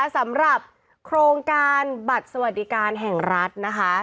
สำหรับโครงการบัตรสวัสดิการแห่งรัฐนะคะ